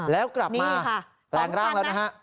แล้วกลับมาแปลงร่างแล้วนะฮะ